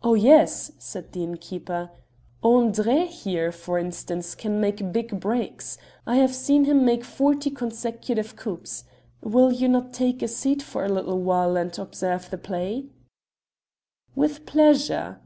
"Oh, yes," said the innkeeper. "André there, for instance, can make big breaks. I have seen him make forty consecutive coups. Will you not take a seat for a little while and observe the play?" "With pleasure."